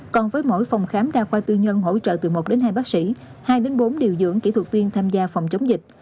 còn với mỗi phòng khám đa khoa tư nhân hỗ trợ từ một đến hai bác sĩ hai bốn điều dưỡng kỹ thuật viên tham gia phòng chống dịch